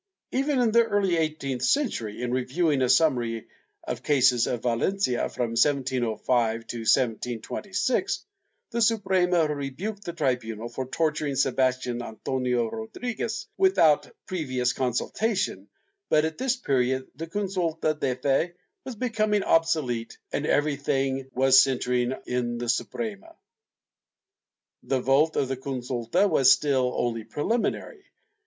^ Even in the early eighteenth century, in reviewing a summary of cases of Valencia, from 1705 to 1726, the Suprema rebuked the tribunal for torturing Sebastian Antonio Rodriguez without previous consultation, but at this period the consulta de fe was becoming obsolete and everything was cen tering in the Suprema.' The vote of the consulta was still only preliminary.